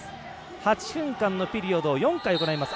８分間のピリオドを４回行います。